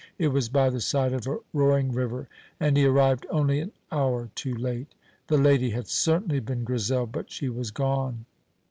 It was by the side of a roaring river, and he arrived only an hour too late. The lady had certainly been Grizel; but she was gone.